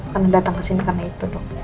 kamu datang ke sini karena itu bu